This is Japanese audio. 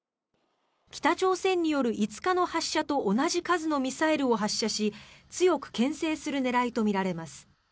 北朝鮮による５日の発射と同じ数のミサイルを発射し強くけん制する狙いとみられます。